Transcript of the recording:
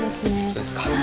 そうですか。